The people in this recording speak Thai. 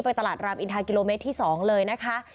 ตลาดรามอินทากิโลเมตรที่๒เลยนะคะ